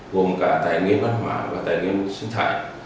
vùng cả tài nguyên văn hóa và tài nguyên sinh thải